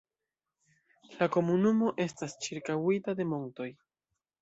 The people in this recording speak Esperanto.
La komunumo estas ĉirkaŭita de montoj.